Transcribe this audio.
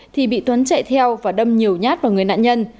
thì bị tuấn chạy theo và đâm nhiều nhát vào người nạn nhân